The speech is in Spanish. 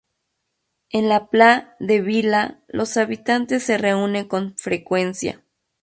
En la Pla de Vila los habitantes se reúnen con frecuencia.